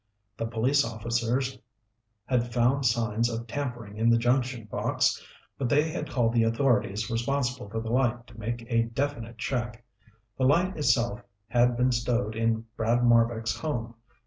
The police officers had found signs of tampering in the junction box, but they had called the authorities responsible for the light to make a definite check. The light itself had been stowed in Brad Marbek's home.